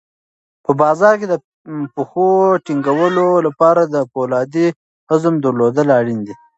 په بازار کې د پښو ټینګولو لپاره د فولادي عزم درلودل اړین دي.